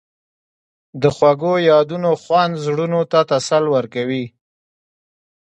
د خوږو یادونو خوند زړونو ته تسل ورکوي.